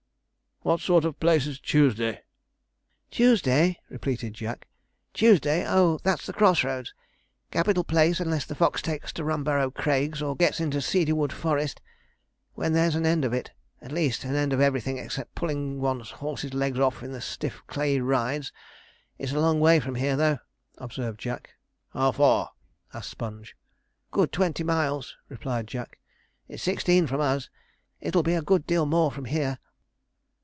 'What sort of a place is Tuesday?' 'Tuesday?' repeated Jack. 'Tuesday! Oh, that's the cross roads. Capital place, unless the fox takes to Rumborrow Craigs, or gets into Seedywood Forest, when there's an end of it at least, an end of everything except pulling one's horse's legs off in the stiff clayey rides. It's a long way from here, though,' observed Jack. 'How far?' asked Sponge. 'Good twenty miles,' replied Jack. 'It's sixteen from us; it'll be a good deal more from here.'